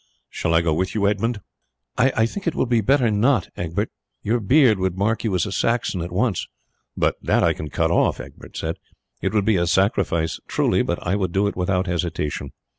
"Shall I go with you, Edmund?" "I think it will be better not, Egbert. Your beard would mark you as a Saxon at once." "But that I can cut off," Egbert said. "It would be a sacrifice truly, but I would do it without hesitation."